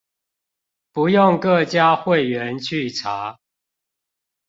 不用各家會員去查